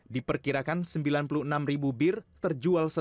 diperkirakan sembilan puluh enam bir terjual setiap hari